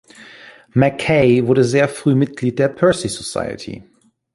Mackay wurde sehr früh Mitglied der Percy Society.